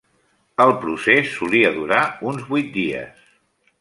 El procés solia durar uns vuit dies.